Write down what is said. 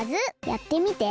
やってみて！